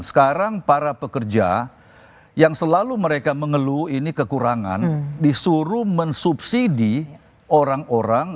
sekarang para pekerja yang selalu mereka mengeluh ini kekurangan disuruh mensubsidi orang orang